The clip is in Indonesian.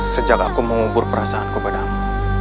sejak aku mengubur perasaanku padamu